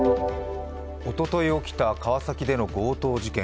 おととい起きた川崎での強盗事件。